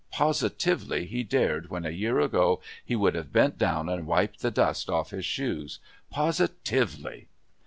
Positively he dared, when a year ago he would have bent down and wiped the dust off his shoes! Positively!